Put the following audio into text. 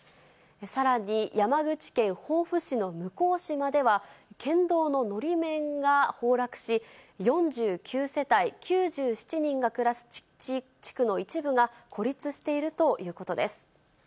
さらに山口県防府市の向島では県道ののり面が崩落し、４９世帯９７人が暮らす地区の一部が孤立しているということです。